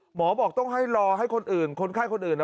หมอบอกต้องให้รอให้คนอื่นคนไข้คนอื่น